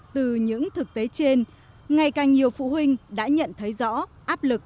từ những thực tế trên ngày càng nhiều phụ huynh đã nhận thấy rõ áp lực